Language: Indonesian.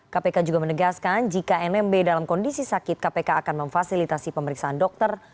kpk juga menegaskan jika nmb dalam kondisi sakit kpk akan memfasilitasi pemeriksaan dokter